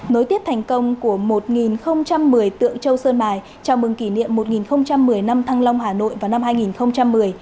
nối tiếp thành công của một một mươi tượng châu sơn mài chào mừng kỷ niệm một nghìn một mươi năm thăng long hà nội vào năm hai nghìn một mươi